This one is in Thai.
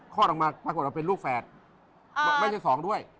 ออกมาปรากฏว่าเป็นลูกแฝดไม่ใช่สองด้วย